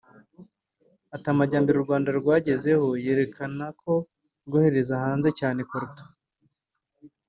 Ati “ amajyembere u Rwanda rwagezeho yerekana ko rwohereza hanze cyane coltan